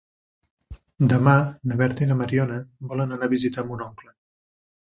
Demà na Berta i na Mariona volen anar a visitar mon oncle.